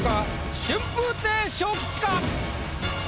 春風亭昇吉か？